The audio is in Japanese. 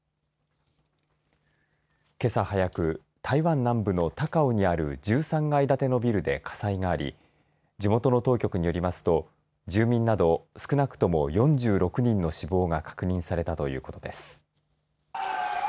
けさ早く台湾南部の高雄にある１３階建てのビルで火災があり地元の当局によりますと住民など少なくとも４６人の死亡が確認されたということです。